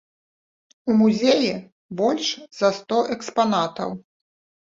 У музеі больш за сто экспанатаў.